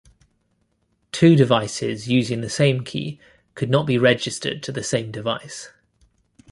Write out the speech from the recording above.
Two devices using the same key could not be registered to the same device.